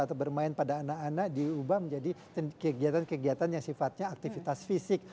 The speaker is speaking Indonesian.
atau bermain pada anak anak diubah menjadi kegiatan kegiatan yang sifatnya aktivitas fisik